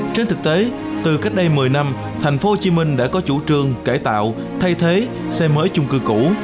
trên thực tế từ cách đây một mươi năm thành phố hồ chí minh đã có chủ trương cải tạo thay thế xe mới chung cư cũ